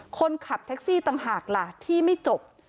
คนขับแท็กซี่ต่างหากล่ะที่ไม่จบ